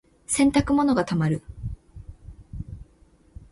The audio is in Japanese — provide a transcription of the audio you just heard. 洗濯物が溜まる。